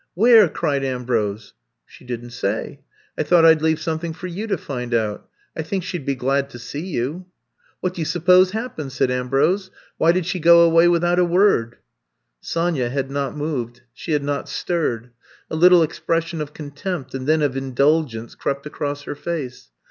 '^^* Where?" cried Ambrose. She didn't say — ^I thought I 'd leave something for you to find out. I think she *d be glad to see you. ''^* What do you suppose happened f '' said Ambrose. *^ Why did she go away without a wordT' Sonya had not moved; she had not stirred. A Uttle expression of contempt and then of indulgence crept across her face.